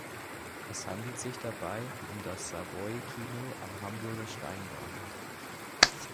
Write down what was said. Es handelte sich dabei um das "Savoy"-Kino am Hamburger Steindamm.